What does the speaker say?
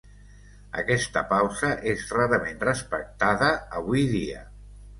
Aquesta pausa és rarament respectada avui dia.